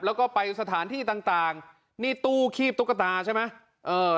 แล้วก็ไปสถานที่ต่างต่างนี่ตู้คีบตุ๊กตาใช่ไหมเออ